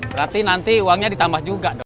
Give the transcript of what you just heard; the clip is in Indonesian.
berarti nanti uangnya ditambah juga dok